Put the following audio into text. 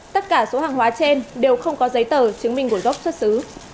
tất cả số hàng hóa trên đều không có giấy tờ chứng minh nguồn gốc xuất xứ